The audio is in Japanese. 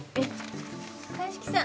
鑑識さん